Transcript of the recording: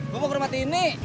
gue mau ke rumah tini